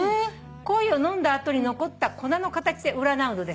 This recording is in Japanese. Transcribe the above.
「コーヒーを飲んだ後に残った粉の形で占うのです」